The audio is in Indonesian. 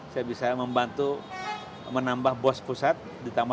saya bisa membantu menambah bos pusat di tamu